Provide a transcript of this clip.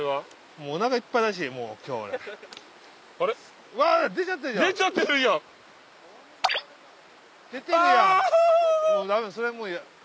もうダメだそれはもう。